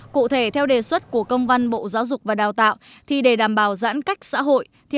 cụ thể theo đề xuất của công văn bộ giáo dục và đào tạo để đảm bảo giãn cách xã hội